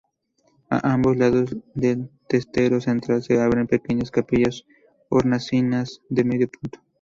A ambos lados del testero central, se abren pequeñas capillas hornacinas de medio punto.